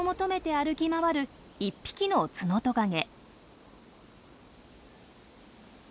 歩き回る１匹のツノトカゲ。